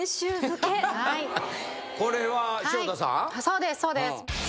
そうですそうです。